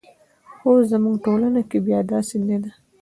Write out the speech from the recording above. خو زموږ ټولنه کې بیا داسې نه ده.